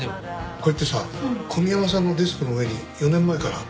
これってさ小宮山さんのデスクの上に４年前からある。